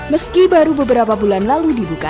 meski baru beberapa bulan lalu dibuka